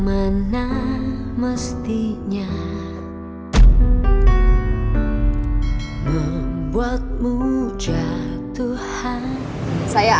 makasih ya bu udah bantuin saya